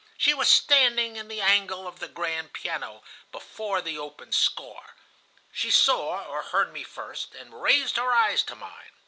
She was standing in the angle of the grand piano, before the open score. She saw or heard me first, and raised her eyes to mine.